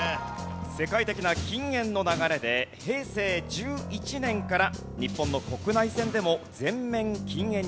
世界的な禁煙の流れで平成１１年から日本の国内線でも全面禁煙になりました。